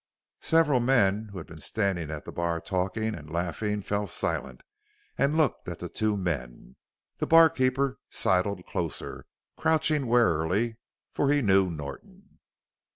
Several men who had been standing at the bar talking and laughing fell silent and looked at the two men, the barkeeper sidled closer, crouching warily, for he knew Norton.